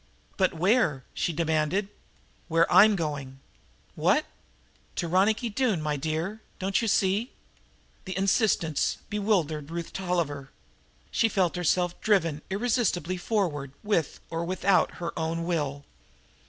"But where?" she demanded. "Where I'm going." "What?" "To Ronicky Doone, my dear. Don't you see?" The insistence bewildered Ruth Tolliver. She felt herself driven irresistibly forward, with or without her own will.